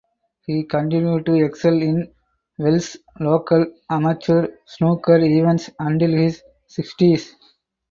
He continued to excel in Welsh local amateur snooker events until his sixties.